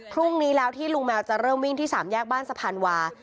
พรุ่งนี้แล้วที่ลุงแมวจะเริ่มวิ่งที่๓แยกบ้านสะพานวา